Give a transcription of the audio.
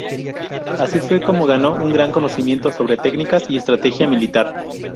Así fue como ganó un gran conocimiento sobre tácticas y estrategia militar.